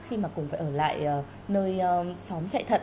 khi mà cùng phải ở lại nơi xóm chạy thận